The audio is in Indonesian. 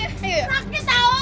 darah darah darah